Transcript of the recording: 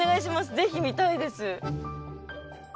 ぜひ見たいです。